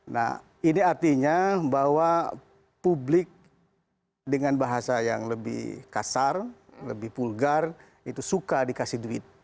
nah ini artinya bahwa publik dengan bahasa yang lebih kasar lebih vulgar itu suka dikasih duit